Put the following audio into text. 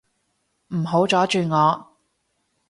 唔好阻住我